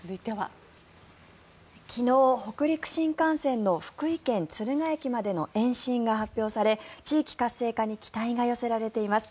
昨日、北陸新幹線の福井県・敦賀駅までの延伸が発表され地域活性化に期待が寄せられています。